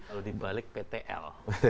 kalau dibalik ptl